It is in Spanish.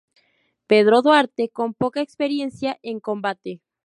Pedro Duarte", con poca experiencia en combate.